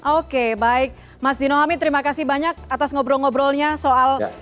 oke baik mas dino hamid terima kasih banyak atas ngobrol ngobrolnya soal konser konser